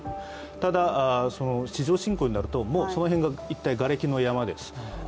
ただ地上侵攻になるともうその辺が一帯がれきの山です。